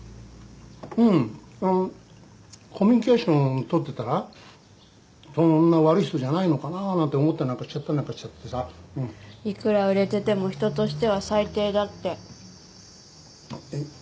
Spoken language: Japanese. うんあのコミュニケーション取ってたらそんな悪い人じゃないのかななんて思ったりなんかしちゃったりなんかしちゃってさいくら売れてても人としては最低だってえっ？